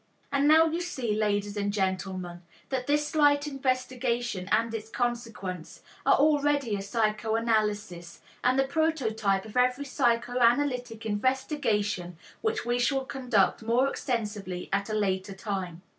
And now you see, ladies and gentlemen, that this slight investigation and its consequence are already a psychoanalysis, and the prototype of every psychoanalytic investigation which we shall conduct more extensively at a later time.